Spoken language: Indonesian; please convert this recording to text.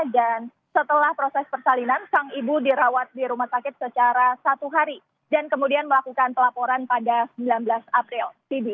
dan setelah proses persalinan sang ibu dirawat di rumah sakit secara satu hari dan kemudian melakukan pelaporan pada sembilan belas april